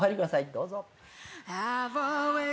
どうぞ。